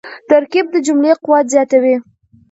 ترکیب د جملې قوت زیاتوي.